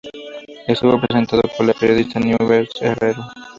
Estuvo presentado por la periodista Nieves Herrero.